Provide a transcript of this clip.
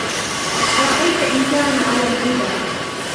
أَرَأَيْتَ إِنْ كَانَ عَلَى الْهُدَى